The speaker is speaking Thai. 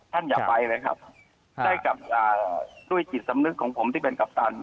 อย่าไปเลยครับได้กับด้วยจิตสำนึกของผมที่เป็นกัปตัน